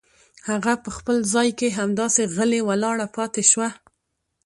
هغه په خپل ځای کې همداسې غلې ولاړه پاتې شوه.